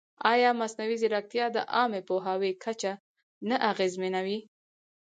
ایا مصنوعي ځیرکتیا د عامه پوهاوي کچه نه اغېزمنوي؟